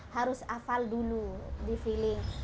harus hafal dulu di feeling